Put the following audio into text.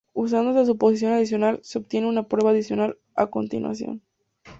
Usando esta suposición adicional, se obtiene una prueba adicional a continuación.